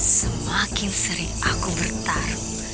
semakin sering aku bertarung